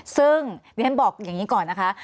ซึ่งดิฉันบอกอย่างนี้ก่อนนะคะ